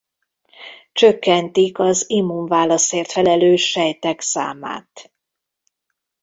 Csökkentik az immunválaszért felelős sejtek számát.